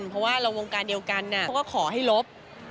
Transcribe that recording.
เพราะว่าเราวงการเดียวกันเขาก็ขอให้ลบ